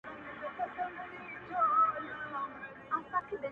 ټولنیزې شبکې چټک معلومات ورکوي